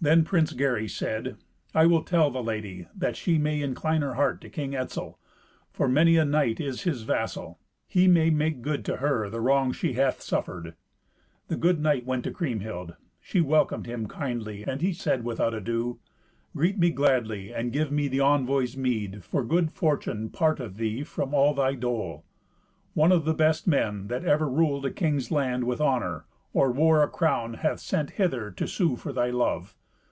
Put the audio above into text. Then Prince Gary said, "I will tell the lady, that she may incline her heart to King Etzel, for many a knight is his vassal. He may make good to her the wrong she hath suffered." The good knight went to Kriemhild. She welcomed him kindly, and he said without ado, "Greet me gladly, and give me the envoy's meed, for good fortune parteth thee from all thy dole. One of the best men that ever ruled a king's land with honour, or wore a crown, hath sent hither to sue for thy love.